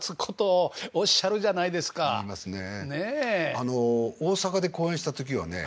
あの大阪で公演した時はね